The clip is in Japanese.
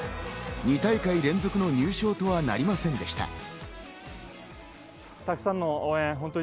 ２大会連続の入賞とはなりませんでした。